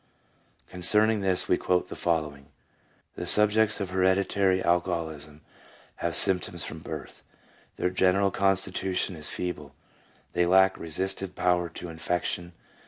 Concerning this we quote the following: —" The subjects of hereditary alcoholism have symptoms from birth. Their general constitution is feeble, they lack resistive power to infection.